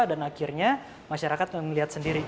akhirnya masyarakat melihat sendiri